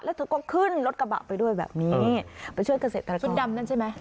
แล้วเธอก็ขึ้นรถกระบะไปด้วยแบบนี้ไปช่วยเกษตรชุดดำนั่นใช่ไหม